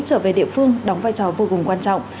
trở về địa phương đóng vai trò vô cùng quan trọng